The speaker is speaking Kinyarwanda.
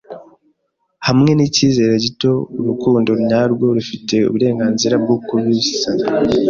Hamwe n'icyizere gito, urukundo nyarwo rufite uburenganzira bwo kubisaba